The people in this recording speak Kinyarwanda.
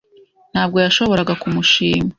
Ntabwo yashoboraga kumushima.